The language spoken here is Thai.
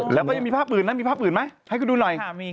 แล้วก็ยังมีภาพอื่นนะมีภาพอื่นไหมให้คุณดูหน่อย